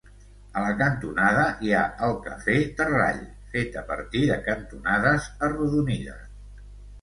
A la cantonada hi ha el cafè Terrall, fet a partir de cantonades arrodonides.